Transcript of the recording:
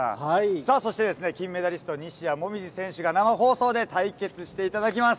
さあ、そしてですね、金メダリスト、西矢椛選手が生放送で対決していただきます。